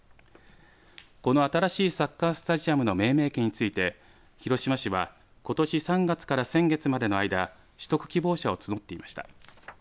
この新しいサッカースタジアムの命名権について広島市はことし３月から先月までの間取得希望者を募っていました。